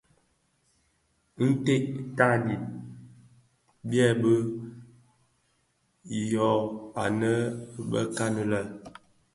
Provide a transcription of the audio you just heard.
Bintèd tanin byèbi tyonèn anëbekan lè.